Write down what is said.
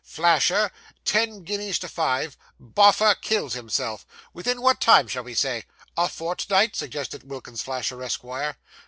'"Flasher ten guineas to five, Boffer kills himself." Within what time shall we say?' 'A fortnight?' suggested Wilkins Flasher, Esquire.